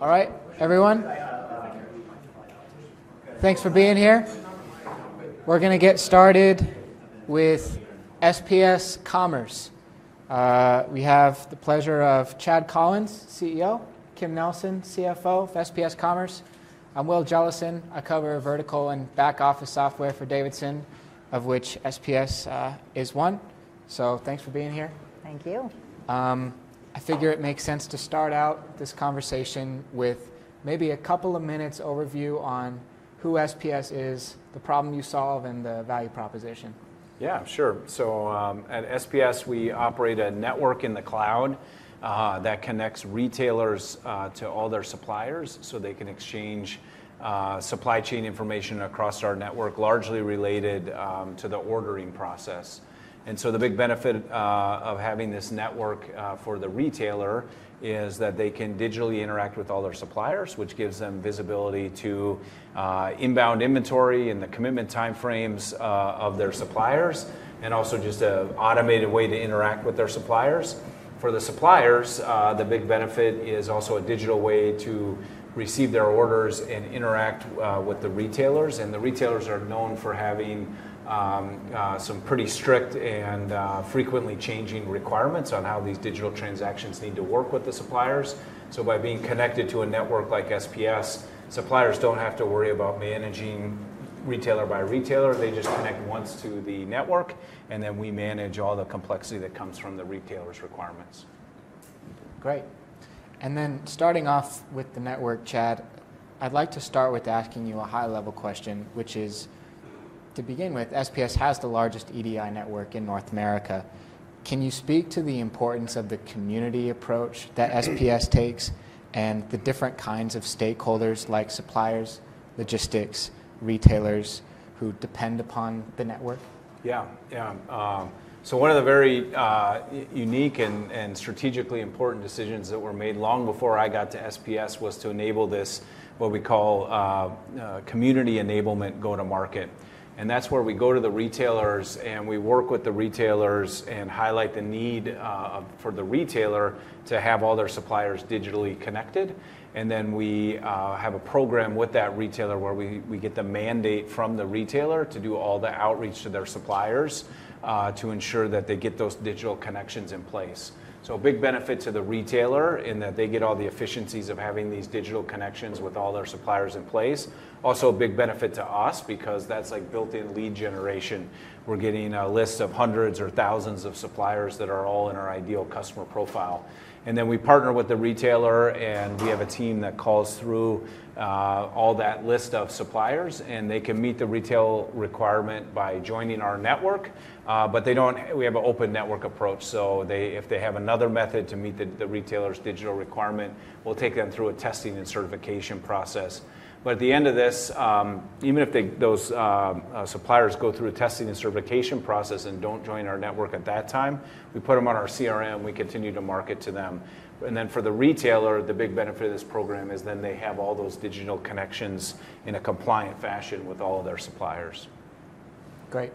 All right, everyone. Thanks for being here. We're going to get started with SPS Commerce. We have the pleasure of Chad Collins, CEO; Kim Nelson, CFO of SPS Commerce; I'm Will Jellison, I cover vertical and back office software for Davidson, of which SPS is one. So thanks for being here. Thank you. I figure it makes sense to start out this conversation with maybe a couple of minutes' overview on who SPS is, the problem you solve, and the value proposition. Yeah, sure. At SPS, we operate a network in the cloud that connects retailers to all their suppliers so they can exchange supply chain information across our network, largely related to the ordering process. The big benefit of having this network for the retailer is that they can digitally interact with all their suppliers, which gives them visibility to inbound inventory and the commitment time frames of their suppliers, and also just an automated way to interact with their suppliers. For the suppliers, the big benefit is also a digital way to receive their orders and interact with the retailers. The retailers are known for having some pretty strict and frequently changing requirements on how these digital transactions need to work with the suppliers. By being connected to a network like SPS, suppliers do not have to worry about managing retailer by retailer. They just connect once to the network, and then we manage all the complexity that comes from the retailer's requirements. Great. Then starting off with the network, Chad, I'd like to start with asking you a high-level question, which is, to begin with, SPS has the largest EDI network in North America. Can you speak to the importance of the community approach that SPS takes and the different kinds of stakeholders like suppliers, logistics, retailers who depend upon the network? Yeah, yeah. One of the very unique and strategically important decisions that were made long before I got to SPS was to enable this, what we call community enablement go-to-market. That is where we go to the retailers, and we work with the retailers and highlight the need for the retailer to have all their suppliers digitally connected. We have a program with that retailer where we get the mandate from the retailer to do all the outreach to their suppliers to ensure that they get those digital connections in place. A big benefit to the retailer is that they get all the efficiencies of having these digital connections with all their suppliers in place. Also, a big benefit to us because that is like built-in lead generation. We are getting a list of hundreds or thousands of suppliers that are all in our ideal customer profile. We partner with the retailer, and we have a team that calls through all that list of suppliers, and they can meet the retail requirement by joining our network. We have an open network approach. If they have another method to meet the retailer's digital requirement, we'll take them through a testing and certification process. At the end of this, even if those suppliers go through a testing and certification process and do not join our network at that time, we put them on our CRM, and we continue to market to them. For the retailer, the big benefit of this program is they have all those digital connections in a compliant fashion with all of their suppliers. Great.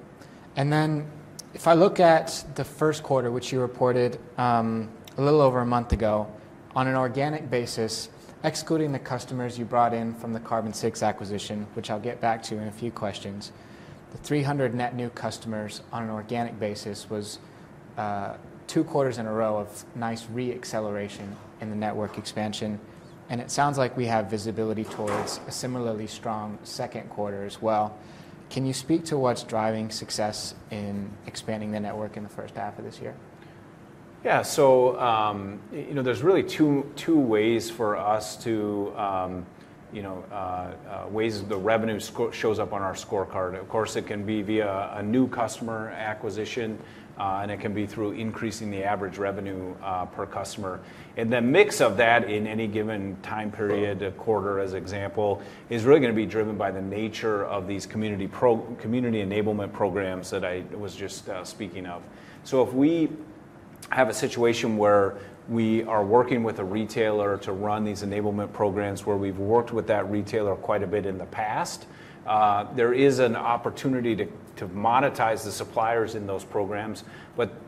If I look at the first quarter, which you reported a little over a month ago, on an organic basis, excluding the customers you brought in from the Carbon6 acquisition, which I'll get back to in a few questions, the 300 net new customers on an organic basis was two quarters in a row of nice re-acceleration in the network expansion. It sounds like we have visibility towards a similarly strong second quarter as well. Can you speak to what's driving success in expanding the network in the first half of this year? Yeah. So there's really two ways for us to ways the revenue shows up on our scorecard. Of course, it can be via a new customer acquisition, and it can be through increasing the average revenue per customer. The mix of that in any given time period, a quarter as an example, is really going to be driven by the nature of these community enablement programs that I was just speaking of. If we have a situation where we are working with a retailer to run these enablement programs where we've worked with that retailer quite a bit in the past, there is an opportunity to monetize the suppliers in those programs.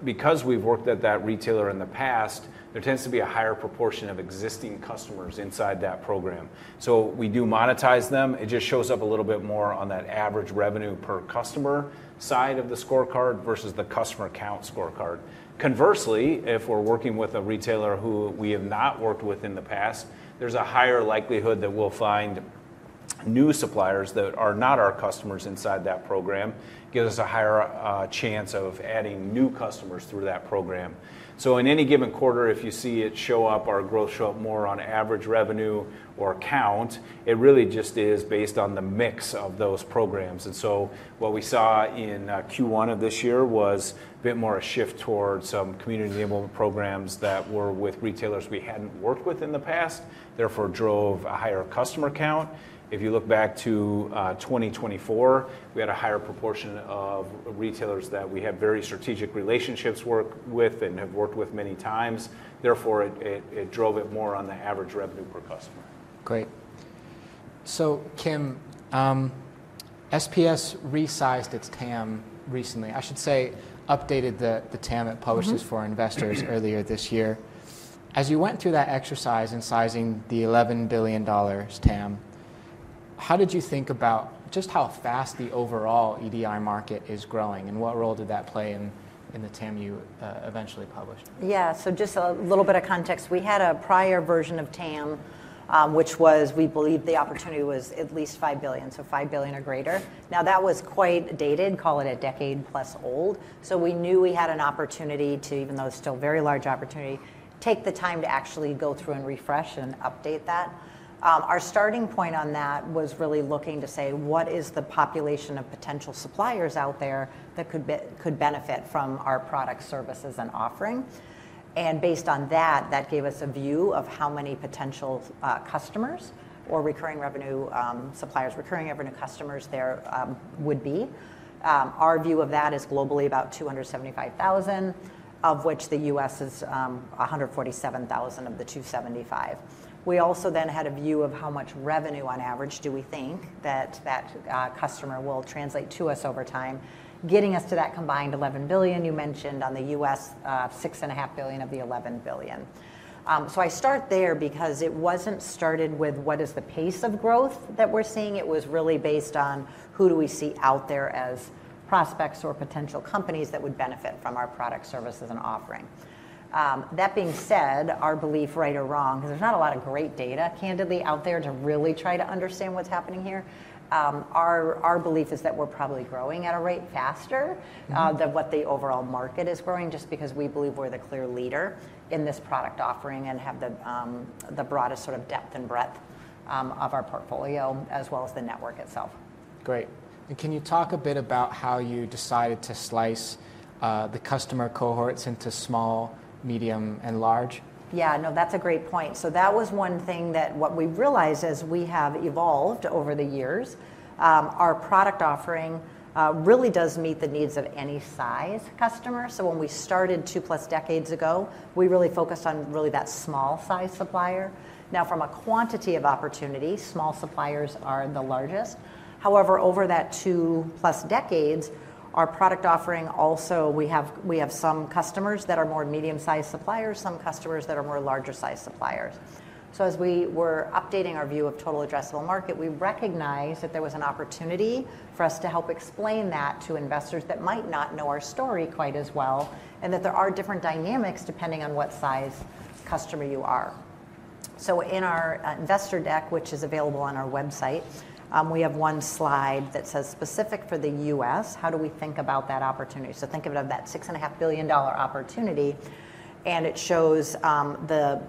Because we've worked with that retailer in the past, there tends to be a higher proportion of existing customers inside that program. We do monetize them. It just shows up a little bit more on that average revenue per customer side of the scorecard versus the customer count scorecard. Conversely, if we're working with a retailer who we have not worked with in the past, there's a higher likelihood that we'll find new suppliers that are not our customers inside that program, gives us a higher chance of adding new customers through that program. In any given quarter, if you see it show up, our growth show up more on average revenue or count, it really just is based on the mix of those programs. What we saw in Q1 of this year was a bit more of a shift towards some community enablement programs that were with retailers we hadn't worked with in the past, therefore drove a higher customer count. If you look back to 2024, we had a higher proportion of retailers that we have very strategic relationships with and have worked with many times. Therefore, it drove it more on the average revenue per customer. Great. Kim, SPS resized its TAM recently. I should say updated the TAM it publishes for investors earlier this year. As you went through that exercise in sizing the $11 billion TAM, how did you think about just how fast the overall EDI market is growing and what role did that play in the TAM you eventually published? Yeah. So just a little bit of context. We had a prior version of TAM, which was we believed the opportunity was at least $5 billion, so $5 billion or greater. Now, that was quite dated, call it a decade-plus old. We knew we had an opportunity to, even though it is still a very large opportunity, take the time to actually go through and refresh and update that. Our starting point on that was really looking to say, what is the population of potential suppliers out there that could benefit from our products, services, and offering? Based on that, that gave us a view of how many potential customers or recurring revenue suppliers, recurring revenue customers there would be. Our view of that is globally about 275,000, of which the US is 147,000 of the 275,000. We also then had a view of how much revenue on average do we think that that customer will translate to us over time, getting us to that combined $11 billion you mentioned on the U.S., $6.5 billion of the $11 billion. I start there because it wasn't started with what is the pace of growth that we're seeing. It was really based on who do we see out there as prospects or potential companies that would benefit from our products, services, and offering. That being said, our belief, right or wrong, because there's not a lot of great data, candidly, out there to really try to understand what's happening here, our belief is that we're probably growing at a rate faster than what the overall market is growing just because we believe we're the clear leader in this product offering and have the broadest sort of depth and breadth of our portfolio as well as the network itself. Great. Can you talk a bit about how you decided to slice the customer cohorts into small, medium, and large? Yeah. No, that's a great point. That was one thing that we realized as we have evolved over the years. Our product offering really does meet the needs of any size customer. When we started two-plus decades ago, we really focused on really that small-sized supplier. Now, from a quantity of opportunity, small suppliers are the largest. However, over that two-plus decades, our product offering also, we have some customers that are more medium-sized suppliers, some customers that are more larger-sized suppliers. As we were updating our view of total addressable market, we recognized that there was an opportunity for us to help explain that to investors that might not know our story quite as well and that there are different dynamics depending on what size customer you are. In our investor deck, which is available on our website, we have one slide that says specific for the U.S., how do we think about that opportunity? Think of it as that $6.5 billion opportunity, and it shows the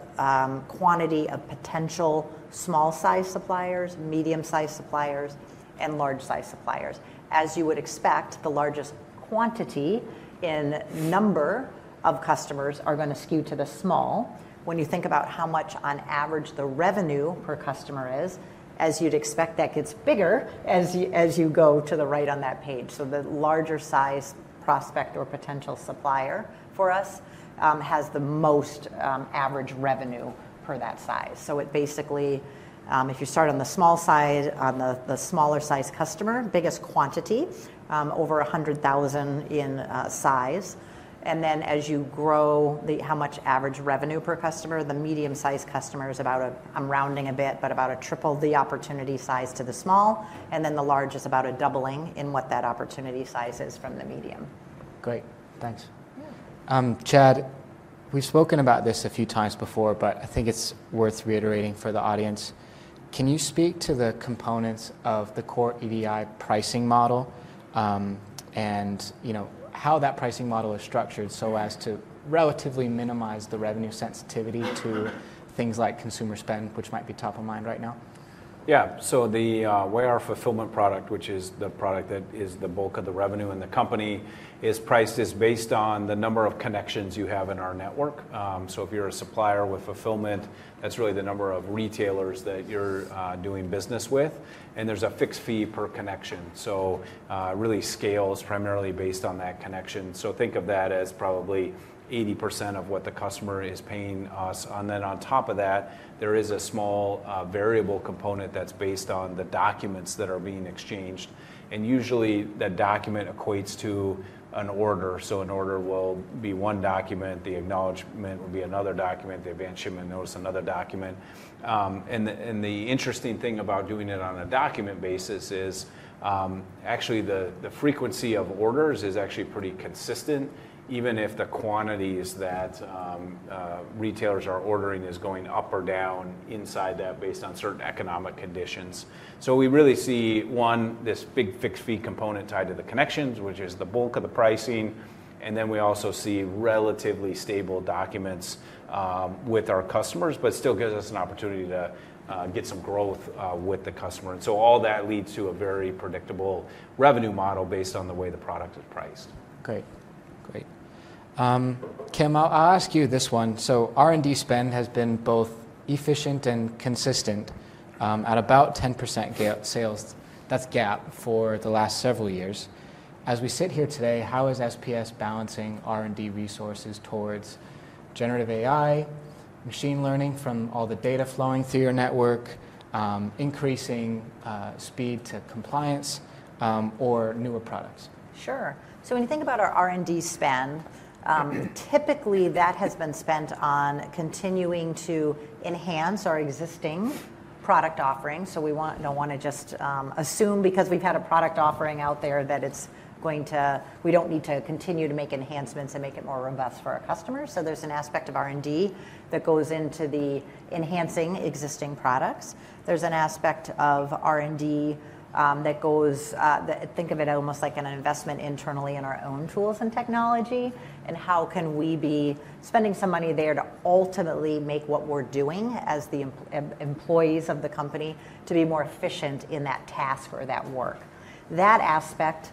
quantity of potential small-sized suppliers, medium-sized suppliers, and large-sized suppliers. As you would expect, the largest quantity in number of customers are going to skew to the small. When you think about how much on average the revenue per customer is, as you'd expect, that gets bigger as you go to the right on that page. The larger-sized prospect or potential supplier for us has the most average revenue per that size. It basically, if you start on the small size, on the smaller-sized customer, biggest quantity, over 100,000 in size. As you grow, how much average revenue per customer, the medium-sized customer is about, I'm rounding a bit, but about a triple the opportunity size to the small, and then the large is about a doubling in what that opportunity size is from the medium. Great. Thanks. Chad, we've spoken about this a few times before, but I think it's worth reiterating for the audience. Can you speak to the components of the core EDI pricing model and how that pricing model is structured so as to relatively minimize the revenue sensitivity to things like consumer spend, which might be top of mind right now? Yeah. The way our Fulfillment product, which is the product that is the bulk of the revenue in the company, is priced is based on the number of connections you have in our network. If you're a supplier with Fulfillment, that's really the number of retailers that you're doing business with. There's a fixed fee per connection. Really, scale is primarily based on that connection. Think of that as probably 80% of what the customer is paying us. On top of that, there is a small variable component that's based on the documents that are being exchanged. Usually, that document equates to an order. An order will be one document. The acknowledgment will be another document. The Advanced Shipment Notice, another document. The interesting thing about doing it on a document basis is actually the frequency of orders is actually pretty consistent, even if the quantities that retailers are ordering is going up or down inside that based on certain economic conditions. We really see, one, this big fixed fee component tied to the connections, which is the bulk of the pricing. We also see relatively stable documents with our customers, but still gives us an opportunity to get some growth with the customer. All that leads to a very predictable revenue model based on the way the product is priced. Great. Great. Kim, I'll ask you this one. R&D spend has been both efficient and consistent at about 10% sales. That's GAAP for the last several years. As we sit here today, how is SPS balancing R&D resources towards generative AI, machine learning from all the data flowing through your network, increasing speed to compliance, or newer products? Sure. When you think about our R&D spend, typically that has been spent on continuing to enhance our existing product offering. We do not want to just assume because we have had a product offering out there that we do not need to continue to make enhancements and make it more robust for our customers. There is an aspect of R&D that goes into enhancing existing products. There is an aspect of R&D that goes, think of it almost like an investment internally in our own tools and technology. How can we be spending some money there to ultimately make what we are doing as the employees of the company to be more efficient in that task or that work? That aspect,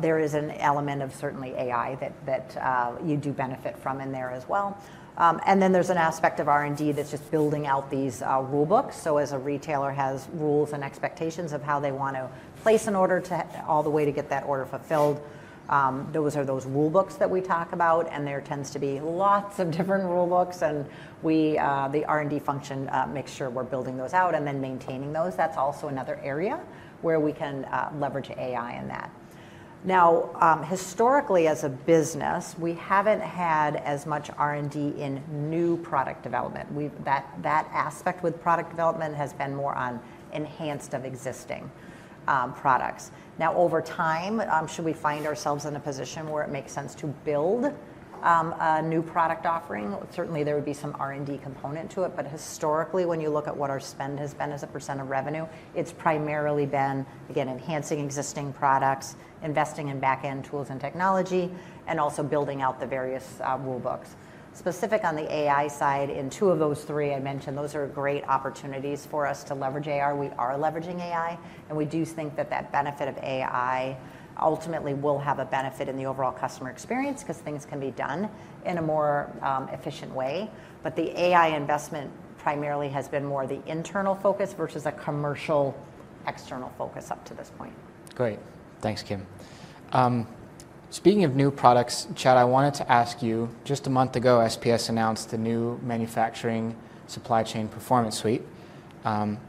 there is an element of certainly AI that you do benefit from in there as well. There is an aspect of R&D that's just building out these rule books. As a retailer has rules and expectations of how they want to place an order all the way to get that order fulfilled, those are those rule books that we talk about. There tends to be lots of different rule books. The R&D function makes sure we're building those out and then maintaining those. That's also another area where we can leverage AI in that. Historically, as a business, we haven't had as much R&D in new product development. That aspect with product development has been more on enhanced of existing products. Over time, should we find ourselves in a position where it makes sense to build a new product offering, certainly there would be some R&D component to it. Historically, when you look at what our spend has been as a percent of revenue, it's primarily been, again, enhancing existing products, investing in back-end tools and technology, and also building out the various rule books. Specific on the AI side, in two of those three I mentioned, those are great opportunities for us to leverage AI. We are leveraging AI. We do think that that benefit of AI ultimately will have a benefit in the overall customer experience because things can be done in a more efficient way. The AI investment primarily has been more the internal focus versus a commercial external focus up to this point. Great. Thanks, Kim. Speaking of new products, Chad, I wanted to ask you, just a month ago, SPS announced a new Manufacturing Supply Chain Performance Suite.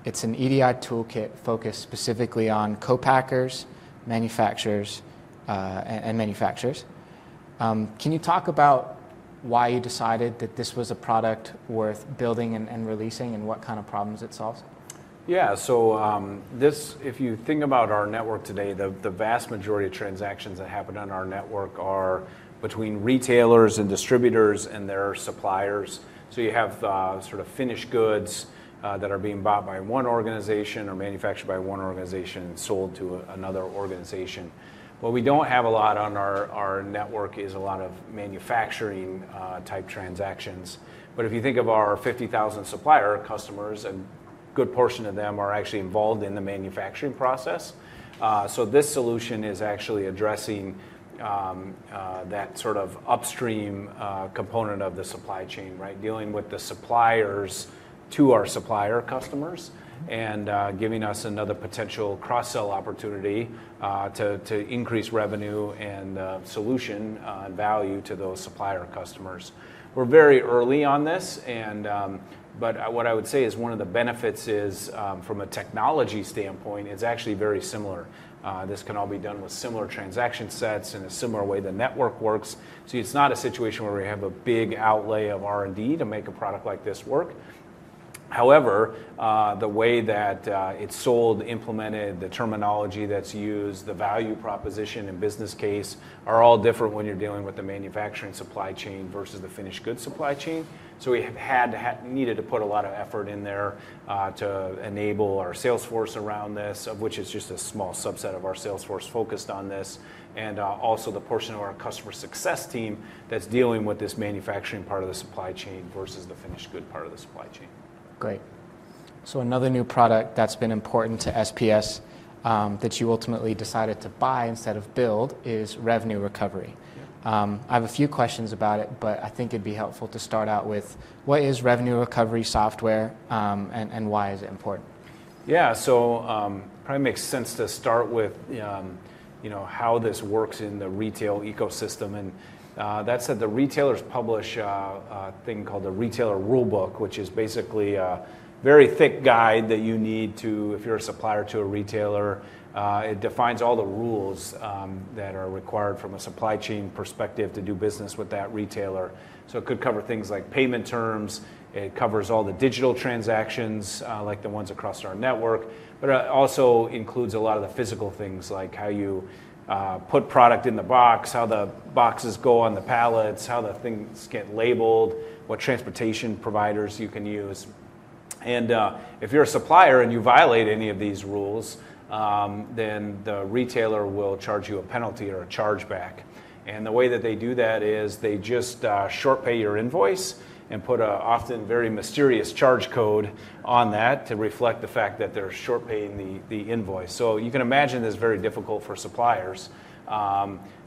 It's an EDI toolkit focused specifically on co-packers, manufacturers, and manufacturers. Can you talk about why you decided that this was a product worth building and releasing and what kind of problems it solves? Yeah. If you think about our network today, the vast majority of transactions that happen on our network are between retailers and distributors and their suppliers. You have sort of finished goods that are being bought by one organization or manufactured by one organization and sold to another organization. What we do not have a lot on our network is a lot of manufacturing-type transactions. If you think of our 50,000 supplier customers, a good portion of them are actually involved in the manufacturing process. This solution is actually addressing that sort of upstream component of the supply chain, right, dealing with the suppliers to our supplier customers and giving us another potential cross-sell opportunity to increase revenue and solution value to those supplier customers. We are very early on this. What I would say is one of the benefits is from a technology standpoint, it's actually very similar. This can all be done with similar transaction sets in a similar way the network works. It's not a situation where we have a big outlay of R&D to make a product like this work. However, the way that it's sold, implemented, the terminology that's used, the value proposition and business case are all different when you're dealing with the manufacturing supply chain versus the finished goods supply chain. We have had to put a lot of effort in there to enable our sales force around this, of which it's just a small subset of our sales force focused on this, and also the portion of our customer success team that's dealing with this manufacturing part of the supply chain versus the finished good part of the supply chain. Great. Another new product that's been important to SPS that you ultimately decided to buy instead of build is Revenue Recovery. I have a few questions about it, but I think it'd be helpful to start out with what is Revenue Recovery software and why is it important? Yeah. So it probably makes sense to start with how this works in the retail ecosystem. That said, the retailers publish a thing called the retailer rule book, which is basically a very thick guide that you need to, if you're a supplier to a retailer, it defines all the rules that are required from a supply chain perspective to do business with that retailer. It could cover things like payment terms. It covers all the digital transactions, like the ones across our network, but it also includes a lot of the physical things, like how you put product in the box, how the boxes go on the pallets, how the things get labeled, what transportation providers you can use. If you're a supplier and you violate any of these rules, then the retailer will charge you a penalty or a chargeback. The way that they do that is they just short pay your invoice and put an often very mysterious charge code on that to reflect the fact that they're short paying the invoice. You can imagine this is very difficult for suppliers.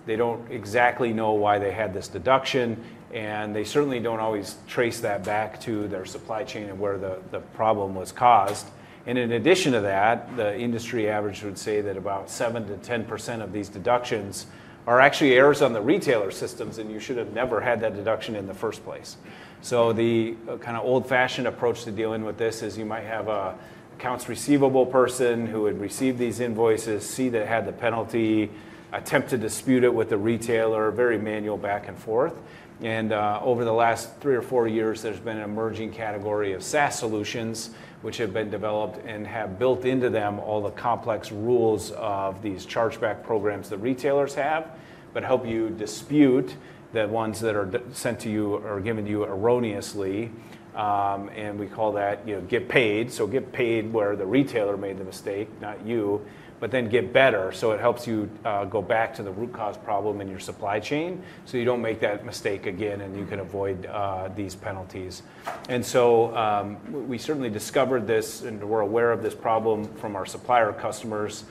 They don't exactly know why they had this deduction, and they certainly don't always trace that back to their supply chain and where the problem was caused. In addition to that, the industry average would say that about 7%-10% of these deductions are actually errors on the retailer systems, and you should have never had that deduction in the first place. The kind of old-fashioned approach to dealing with this is you might have an accounts receivable person who would receive these invoices, see that it had the penalty, attempt to dispute it with the retailer, very manual back and forth. Over the last three or four years, there's been an emerging category of SaaS solutions, which have been developed and have built into them all the complex rules of these chargeback programs that retailers have, but help you dispute the ones that are sent to you or given to you erroneously. We call that Get Paid. Get Paid is where the retailer made the mistake, not you, but then Get Better helps you go back to the root cause problem in your supply chain so you don't make that mistake again and you can avoid these penalties. We certainly discovered this and were aware of this problem from our supplier customers.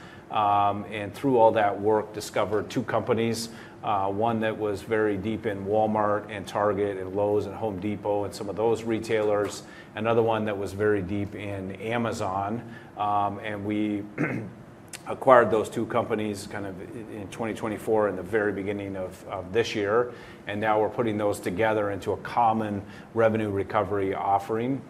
Through all that work, discovered two companies, one that was very deep in Walmart and Target and Lowe's and Home Depot and some of those retailers, another one that was very deep in Amazon. We acquired those two companies kind of in 2024, in the very beginning of this year. Now we're putting those together into a common Revenue Recovery offering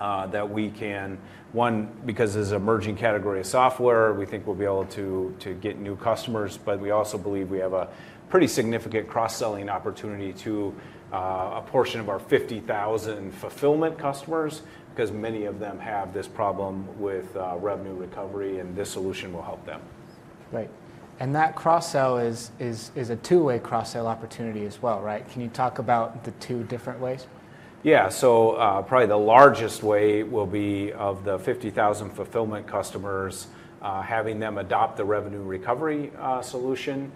that we can, one, because it's an emerging category of software, we think we'll be able to get new customers. We also believe we have a pretty significant cross-selling opportunity to a portion of our 50,000 Fulfillment customers because many of them have this problem with revenue recovery, and this solution will help them. Right. And that cross-sell is a two-way cross-sell opportunity as well, right? Can you talk about the two different ways? Yeah. Probably the largest way will be of the 50,000 Fulfillment customers, having them adopt the Revenue Recovery solution.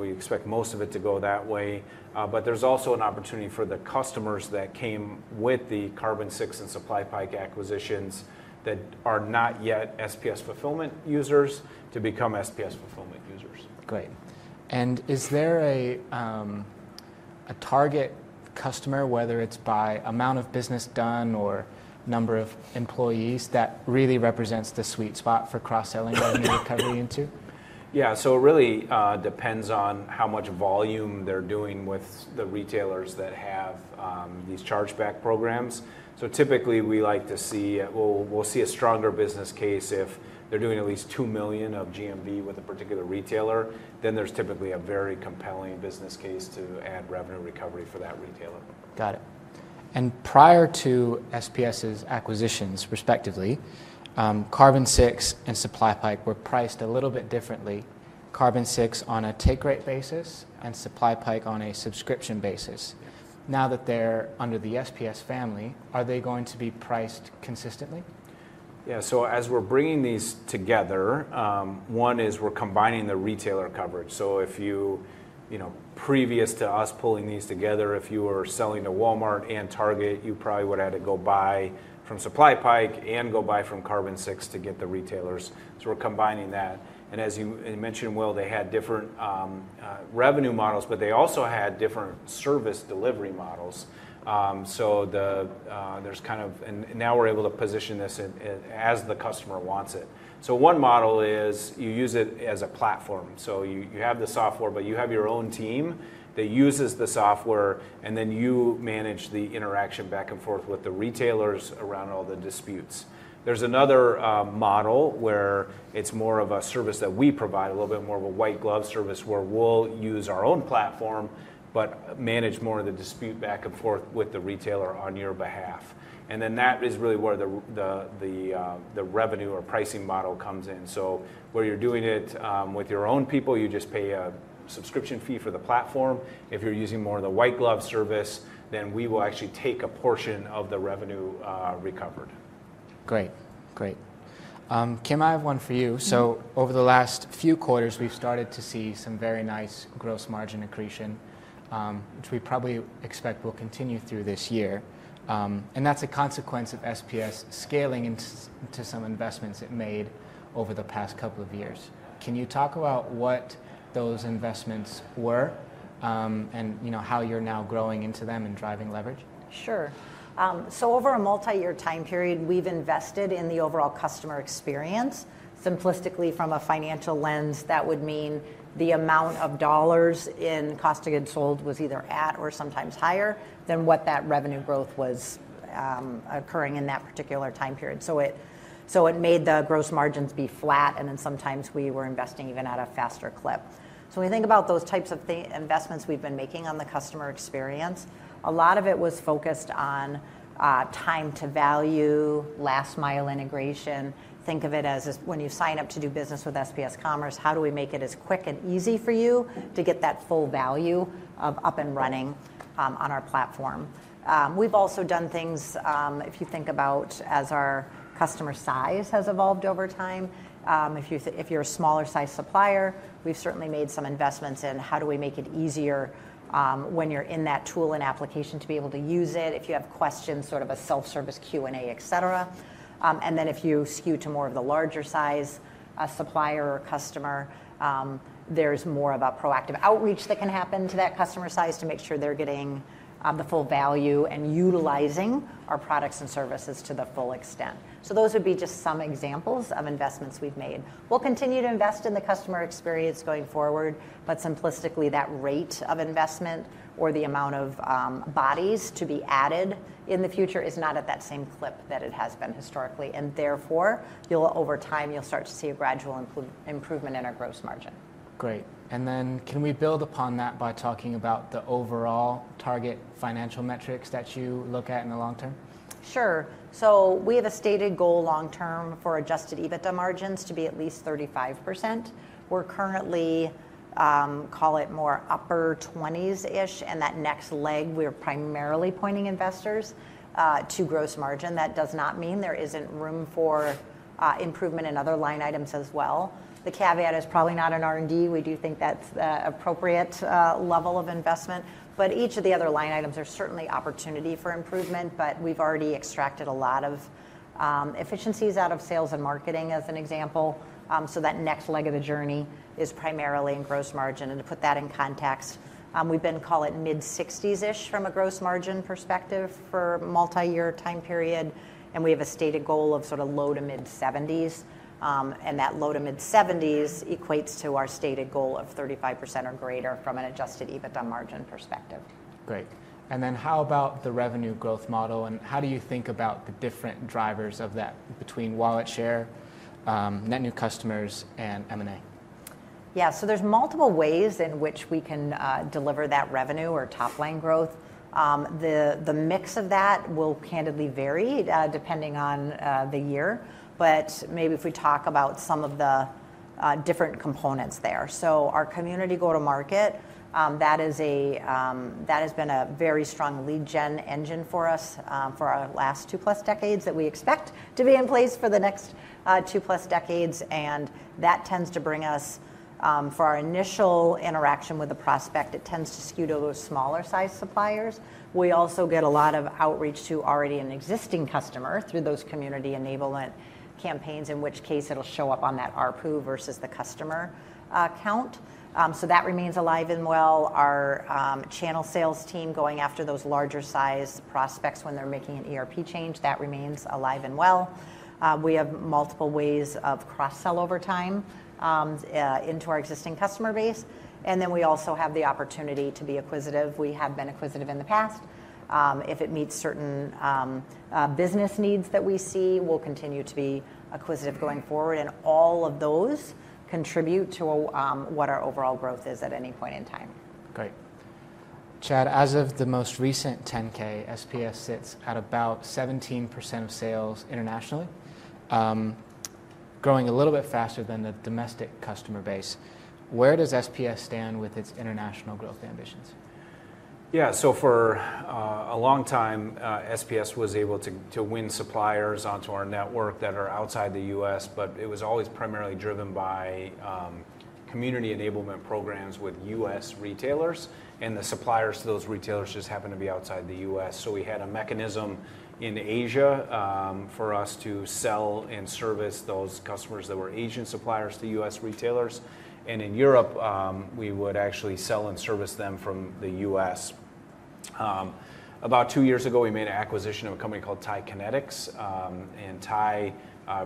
We expect most of it to go that way. There is also an opportunity for the customers that came with the Carbon6 and SupplyPike acquisitions that are not yet SPS Fulfillment users to become SPS Fulfillment users. Great. Is there a target customer, whether it's by amount of business done or number of employees, that really represents the sweet spot for cross-selling revenue recovery into? Yeah. So it really depends on how much volume they're doing with the retailers that have these chargeback programs. Typically, we like to see we'll see a stronger business case if they're doing at least $2 million of GMV with a particular retailer. Then there's typically a very compelling business case to add revenue recovery for that retailer. Got it. Prior to SPS's acquisitions, respectively, Carbon6 and SupplyPike were priced a little bit differently, Carbon6 on a take rate basis and SupplyPike on a subscription basis. Now that they're under the SPS family, are they going to be priced consistently? Yeah. As we're bringing these together, one is we're combining the retailer coverage. If you, previous to us pulling these together, if you were selling to Walmart and Target, you probably would have had to go buy from SupplyPike and go buy from Carbon6 to get the retailers. We're combining that. As you mentioned, Will, they had different revenue models, but they also had different service delivery models. There's kind of, and now we're able to position this as the customer wants it. One model is you use it as a platform. You have the software, but you have your own team that uses the software, and then you manage the interaction back and forth with the retailers around all the disputes. There's another model where it's more of a service that we provide, a little bit more of a white glove service where we'll use our own platform, but manage more of the dispute back and forth with the retailer on your behalf. That is really where the revenue or pricing model comes in. Where you're doing it with your own people, you just pay a subscription fee for the platform. If you're using more of the white glove service, then we will actually take a portion of the revenue recovered. Great. Great. Kim, I have one for you. Over the last few quarters, we've started to see some very nice gross margin accretion, which we probably expect will continue through this year. That's a consequence of SPS scaling into some investments it made over the past couple of years. Can you talk about what those investments were and how you're now growing into them and driving leverage? Sure. Over a multi-year time period, we've invested in the overall customer experience. Simplistically, from a financial lens, that would mean the amount of dollars in cost of goods sold was either at or sometimes higher than what that revenue growth was occurring in that particular time period. It made the gross margins be flat, and then sometimes we were investing even at a faster clip. When we think about those types of investments we've been making on the customer experience, a lot of it was focused on time to value, last mile integration. Think of it as when you sign up to do business with SPS Commerce, how do we make it as quick and easy for you to get that full value up and running on our platform? We've also done things, if you think about as our customer size has evolved over time. If you're a smaller-sized supplier, we've certainly made some investments in how do we make it easier when you're in that tool and application to be able to use it, if you have questions, sort of a self-service Q&A, et cetera. If you skew to more of the larger-sized supplier or customer, there's more of a proactive outreach that can happen to that customer size to make sure they're getting the full value and utilizing our products and services to the full extent. Those would be just some examples of investments we've made. We'll continue to invest in the customer experience going forward, but simplistically, that rate of investment or the amount of bodies to be added in the future is not at that same clip that it has been historically. Therefore, over time, you'll start to see a gradual improvement in our gross margin. Great. Can we build upon that by talking about the overall target financial metrics that you look at in the long term? Sure. So we have a stated goal long term for adjusted EBITDA margins to be at least 35%. We're currently, call it more upper 20s-ish, and that next leg, we're primarily pointing investors to gross margin. That does not mean there isn't room for improvement in other line items as well. The caveat is probably not in R&D. We do think that's an appropriate level of investment. But each of the other line items are certainly opportunity for improvement, but we've already extracted a lot of efficiencies out of sales and marketing as an example. That next leg of the journey is primarily in gross margin. To put that in context, we've been, call it, mid-60s-ish from a gross margin perspective for a multi-year time period, and we have a stated goal of sort of low to mid-70s. That low to mid-70s equates to our stated goal of 35% or greater from an adjusted EBITDA margin perspective. Great. How about the revenue growth model? How do you think about the different drivers of that between wallet share, net new customers, and M&A? Yeah. There are multiple ways in which we can deliver that revenue or top-line growth. The mix of that will candidly vary depending on the year, but maybe if we talk about some of the different components there. Our community go-to-market, that has been a very strong lead gen engine for us for our last two-plus decades that we expect to be in place for the next two-plus decades. That tends to bring us, for our initial interaction with the prospect, it tends to skew to those smaller-sized suppliers. We also get a lot of outreach to already an existing customer through those community enablement campaigns, in which case it will show up on that RPU versus the customer count. That remains alive and well. Our channel sales team going after those larger-sized prospects when they are making an ERP change, that remains alive and well. We have multiple ways of cross-sell over time into our existing customer base. We also have the opportunity to be acquisitive. We have been acquisitive in the past. If it meets certain business needs that we see, we'll continue to be acquisitive going forward. All of those contribute to what our overall growth is at any point in time. Great. Chad, as of the most recent 10-K, SPS sits at about 17% of sales internationally, growing a little bit faster than the domestic customer base. Where does SPS stand with its international growth ambitions? Yeah. For a long time, SPS was able to win suppliers onto our network that are outside the U.S., but it was always primarily driven by community enablement programs with U.S. retailers. The suppliers to those retailers just happened to be outside the U.S. We had a mechanism in Asia for us to sell and service those customers that were Asian suppliers to U.S. retailers. In Europe, we would actually sell and service them from the U.S. About two years ago, we made an acquisition of a company called TIE Kinetix. TIE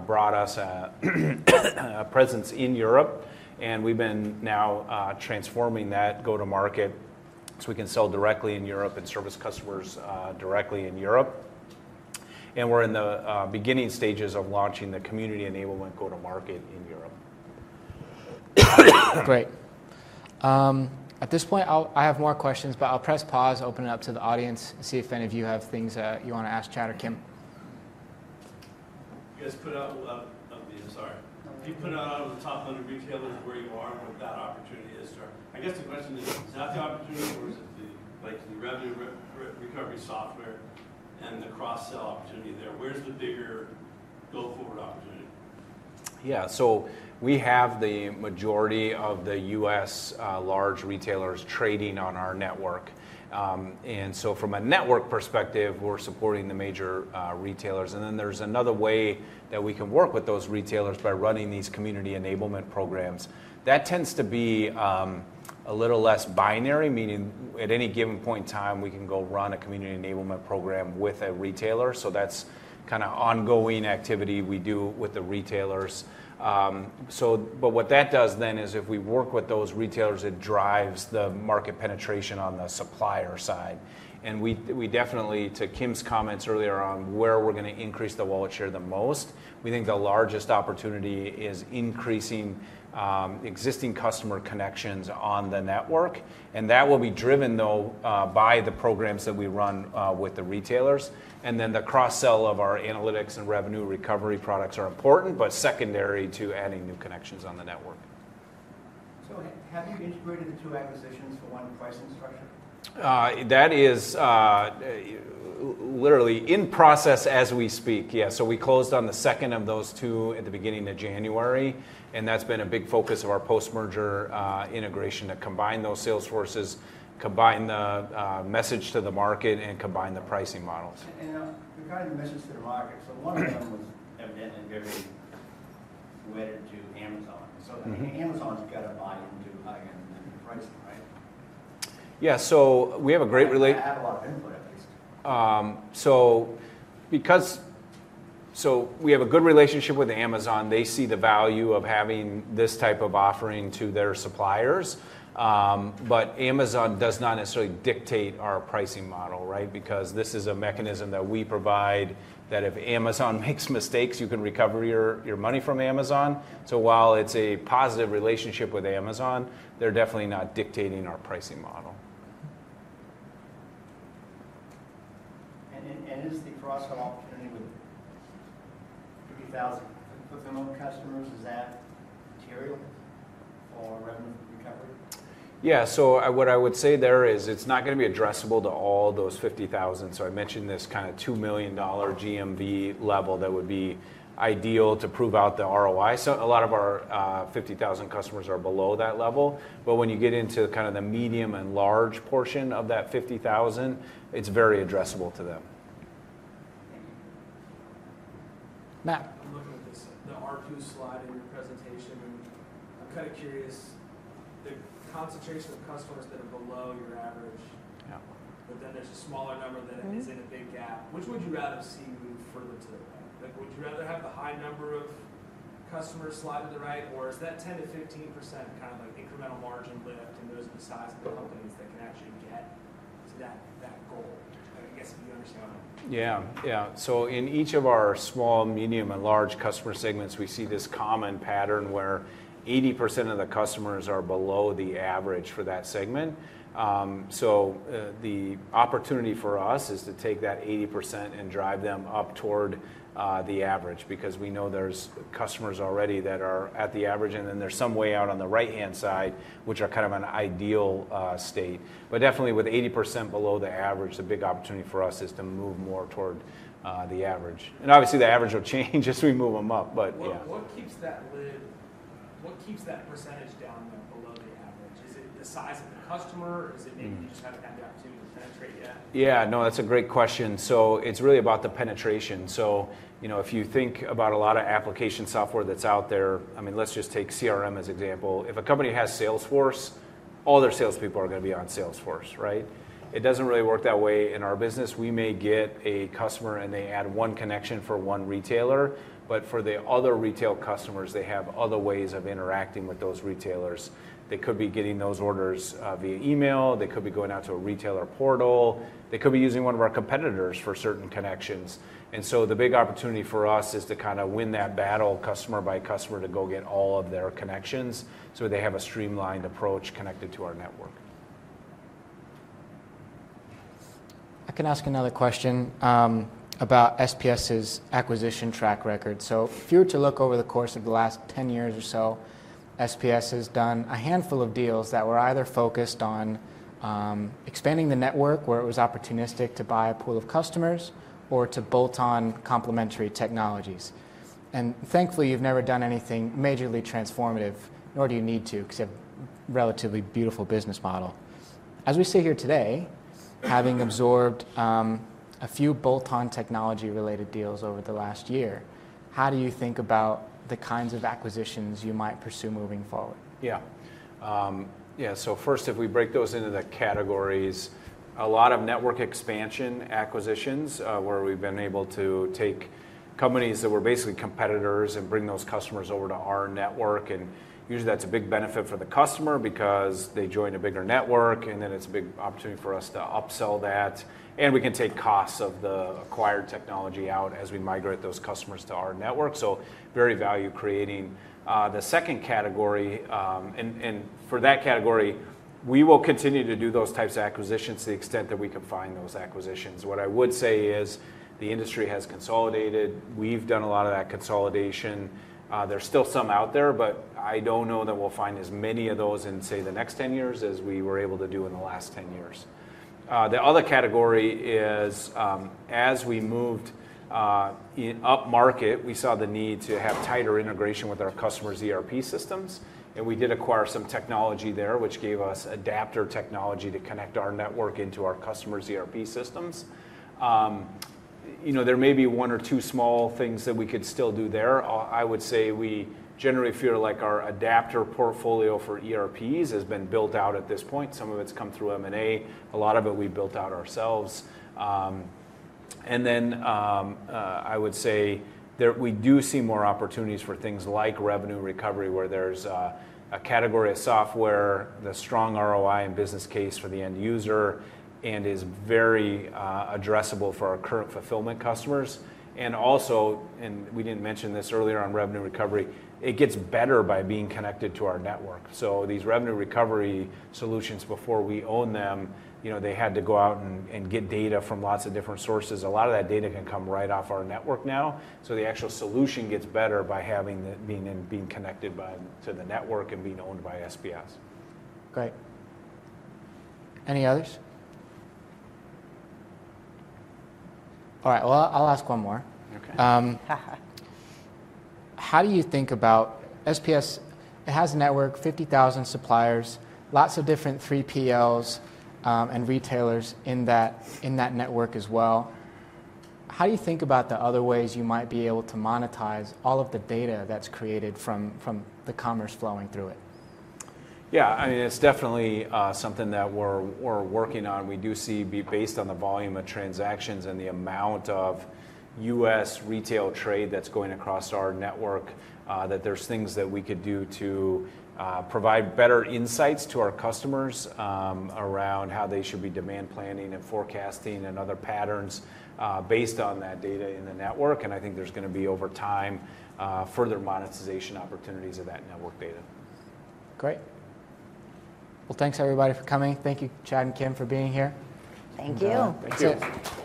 brought us a presence in Europe. We've been now transforming that go-to-market so we can sell directly in Europe and service customers directly in Europe. We're in the beginning stages of launching the community enablement go-to-market in Europe. Great. At this point, I have more questions, but I'll press pause, open it up to the audience, and see if any of you have things that you want to ask Chad or Kim. You guys put out of the—sorry. You put out on the top-line retailers where you are and what that opportunity is. I guess the question is, is that the opportunity or is it the revenue recovery software and the cross-sell opportunity there? Where's the bigger go-forward opportunity? Yeah. We have the majority of the U.S. large retailers trading on our network. From a network perspective, we're supporting the major retailers. There's another way that we can work with those retailers by running these community enablement programs. That tends to be a little less binary, meaning at any given point in time, we can go run a community enablement program with a retailer. That's kind of ongoing activity we do with the retailers. What that does then is if we work with those retailers, it drives the market penetration on the supplier side. We definitely, to Kim's comments earlier on where we're going to increase the wallet share the most, think the largest opportunity is increasing existing customer connections on the network. That will be driven, though, by the programs that we run with the retailers. The cross-sell of our analytics and revenue recovery products are important, but secondary to adding new connections on the network. Have you integrated the two acquisitions for one pricing structure? That is literally in process as we speak, yes. We closed on the second of those two at the beginning of January. That has been a big focus of our post-merger integration to combine those sales forces, combine the message to the market, and combine the pricing models. Regarding the message to the market, one of them was event and very wedded to Amazon. Amazon's got to buy into high-end pricing, right? Yeah. So we have a great relationship. I have a lot of input, at least. We have a good relationship with Amazon. They see the value of having this type of offering to their suppliers. Amazon does not necessarily dictate our pricing model, right? This is a mechanism that we provide that if Amazon makes mistakes, you can recover your money from Amazon. While it's a positive relationship with Amazon, they're definitely not dictating our pricing model. Is the cross-sell opportunity with 50,000 to put some more customers, is that material for revenue recovery? Yeah. So what I would say there is it's not going to be addressable to all those 50,000. So I mentioned this kind of $2 million GMV level that would be ideal to prove out the ROI. So a lot of our 50,000 customers are below that level. But when you get into kind of the medium and large portion of that 50,000, it's very addressable to them. Matt. I'm looking at the RPU slide in your presentation. I'm kind of curious, the concentration of customers that are below your average, but then there's a smaller number that is in a big gap. Which would you rather see move further to the right? Would you rather have the high number of customers slide to the right, or is that 10-15% kind of incremental margin lift in terms of the size of the companies that can actually get to that goal? I guess if you understand what I mean. Yeah. Yeah. In each of our small, medium, and large customer segments, we see this common pattern where 80% of the customers are below the average for that segment. The opportunity for us is to take that 80% and drive them up toward the average because we know there are customers already that are at the average, and then there are some way out on the right-hand side, which are kind of an ideal state. Definitely, with 80% below the average, the big opportunity for us is to move more toward the average. Obviously, the average will change as we move them up, but yeah. What keeps that percentage down below the average? Is it the size of the customer? Is it maybe they just haven't had the opportunity to penetrate yet? Yeah. No, that's a great question. It's really about the penetration. If you think about a lot of application software that's out there, I mean, let's just take CRM as an example. If a company has Salesforce, all their salespeople are going to be on Salesforce, right? It doesn't really work that way in our business. We may get a customer, and they add one connection for one retailer. For the other retail customers, they have other ways of interacting with those retailers. They could be getting those orders via email. They could be going out to a retailer portal. They could be using one of our competitors for certain connections. The big opportunity for us is to kind of win that battle customer by customer to go get all of their connections so they have a streamlined approach connected to our network. I can ask another question about SPS's acquisition track record. If you were to look over the course of the last 10 years or so, SPS has done a handful of deals that were either focused on expanding the network where it was opportunistic to buy a pool of customers or to bolt-on complementary technologies. Thankfully, you've never done anything majorly transformative, nor do you need to because you have a relatively beautiful business model. As we sit here today, having absorbed a few bolt-on technology-related deals over the last year, how do you think about the kinds of acquisitions you might pursue moving forward? Yeah. Yeah. First, if we break those into the categories, a lot of network expansion acquisitions where we've been able to take companies that were basically competitors and bring those customers over to our network. Usually, that's a big benefit for the customer because they join a bigger network, and then it's a big opportunity for us to upsell that. We can take costs of the acquired technology out as we migrate those customers to our network. Very value-creating. The second category, and for that category, we will continue to do those types of acquisitions to the extent that we can find those acquisitions. What I would say is the industry has consolidated. We've done a lot of that consolidation. There's still some out there, but I don't know that we'll find as many of those in, say, the next 10 years as we were able to do in the last 10 years. The other category is as we moved up market, we saw the need to have tighter integration with our customers' ERP systems. And we did acquire some technology there, which gave us adapter technology to connect our network into our customers' ERP systems. There may be one or two small things that we could still do there. I would say we generally feel like our adapter portfolio for ERPs has been built out at this point. Some of it's come through M&A. A lot of it we built out ourselves. I would say that we do see more opportunities for things like revenue recovery, where there's a category of software, the strong ROI and business case for the end user, and is very addressable for our current Fulfillment customers. Also, and we didn't mention this earlier on revenue recovery, it gets better by being connected to our network. These Revenue Recovery solutions, before we own them, had to go out and get data from lots of different sources. A lot of that data can come right off our network now. The actual solution gets better by being connected to the network and being owned by SPS. Great. Any others? All right. I'll ask one more. How do you think about SPS? It has a network, 50,000 suppliers, lots of different 3PLs and retailers in that network as well. How do you think about the other ways you might be able to monetize all of the data that's created from the commerce flowing through it? Yeah. I mean, it's definitely something that we're working on. We do see, based on the volume of transactions and the amount of U.S. retail trade that's going across our network, that there's things that we could do to provide better insights to our customers around how they should be demand planning and forecasting and other patterns based on that data in the network. I think there's going to be, over time, further monetization opportunities of that network data. Great. Thanks, everybody, for coming. Thank you, Chad and Kim, for being here. Thank you. Thank you.